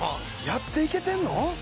やっていけてんの？